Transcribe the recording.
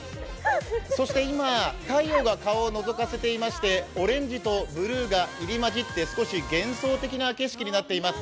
そして今、太陽が顔をのぞかせていまして、オレンジとブルーが入り交じって少し幻想的な景色になっています。